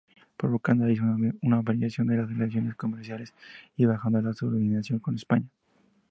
Provocando así una variación en las relaciones comerciales y bajando la subordinación con España.